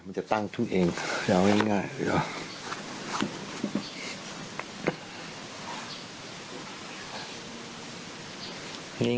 มันจะตั้งทุกอย่างเองจะเอาง่ายหรือเปล่า